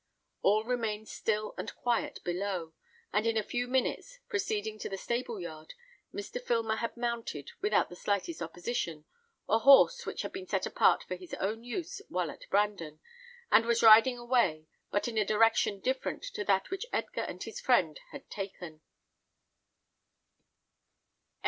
All remained still and quiet below; and in a few minutes, proceeding into the stable yard, Mr. Filmer had mounted, without the slightest opposition, a horse which had been set apart for his own use while at Brandon, and was riding away, but in a direction different to that which Edgar and his friend had taken.